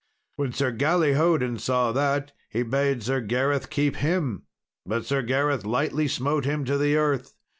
When Sir Galihodin saw that, he bade Sir Gareth keep him, but Sir Gareth lightly smote him to the earth.